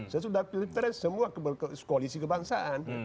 sesudah pilpres semua koalisi kebangsaan